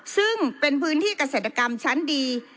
ซึ่งเป็นพื้นที่เกษตรกรรมชั้นดี